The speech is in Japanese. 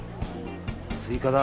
スイカだ。